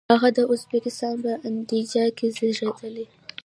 هغه د ازبکستان په اندیجان کې زیږیدلی.